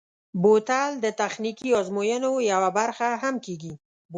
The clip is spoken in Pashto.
بوتل د تخنیکي ازموینو یوه برخه هم کېږي.